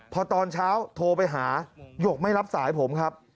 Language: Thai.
พอตอนเช้าโทรไปหาหยกไม่รับสายผมครับ